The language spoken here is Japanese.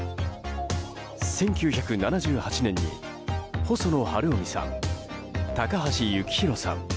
１９７８年に細野晴臣さん、高橋幸宏さん